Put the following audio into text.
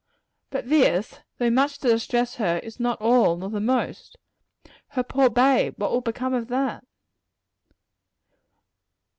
But this, though much to distress her, is not all, nor the most. Her poor bade! what will become of that?